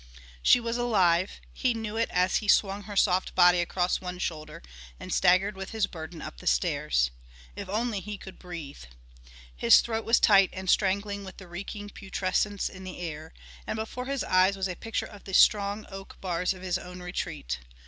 She was alive; he knew it as he swung her soft body across one shoulder and staggered with his burden up the stairs. If he could only breathe! His throat was tight and strangling with the reeking putrescence in the air. And before his eyes was a picture of the strong oak bars of his own retreat.